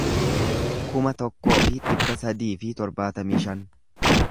kuma tokkoo fi dhibba sadii fi torbaatamii shan